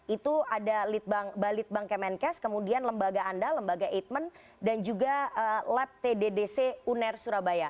itu ada balit bank kemenkes kemudian lembaga anda lembaga eijkman dan juga lab tddc uner surabaya